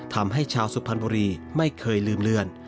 ทำให้ชาวสุพรรณบุรีไม่เคยลืมเลือน